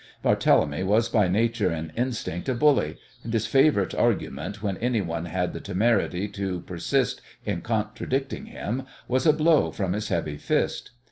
Barthélemy was by nature and instinct a bully, and his favourite "argument" when anyone had the temerity to persist in contradicting him was a blow from his heavy fist.